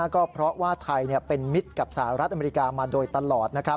ก็เพราะว่าไทยเป็นมิตรกับสหรัฐอเมริกามาโดยตลอด